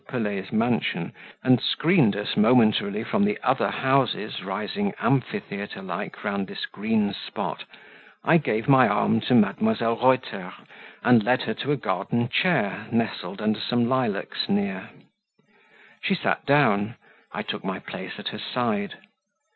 Pelet's mansion, and screened us momentarily from the other houses, rising amphitheatre like round this green spot, I gave my arm to Mdlle. Reuter, and led her to a garden chair, nestled under some lilacs near. She sat down; I took my place at her side.